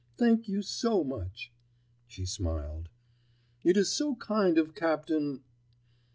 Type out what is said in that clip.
Thank you so much," she smiled. "It is so kind of Captain ——.